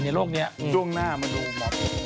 ในโลกนี้ช่วงหน้ามันดูหมด